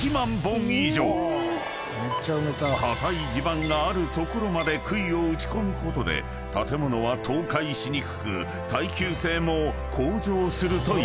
［硬い地盤がある所までくいを打ち込むことで建物は倒壊しにくく耐久性も向上するという］